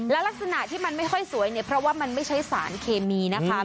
และลักษณะที่มันไม่ค่อยสวยเนี่ยเพราะว่ามันไม่ใช่สารเคมีนะคะ